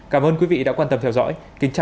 cảm ơn quý vị đã quan tâm theo dõi